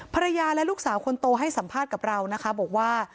ภรรยาและลูกสาวคนโตให้สัมภาษณ์กับเรานะคะบอกว่า